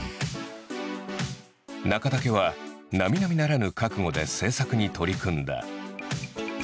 中武はなみなみならぬ覚悟で制作に取り組んだ。